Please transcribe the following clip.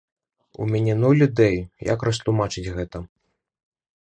У мяне нуль ідэй, як растлумачыць гэта.